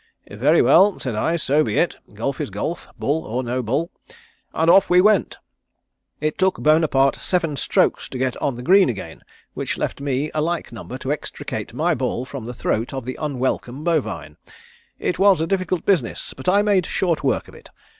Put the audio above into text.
'Very well,' said I. 'So be it. Golf is golf, bull or no bull.' And off we went. It took Bonaparte seven strokes to get on the green again, which left me a like number to extricate my ball from the throat of the unwelcome bovine. It was a difficult business, but I made short work of it.